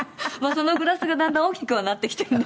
そのグラスがだんだん大きくはなってきているんですけど。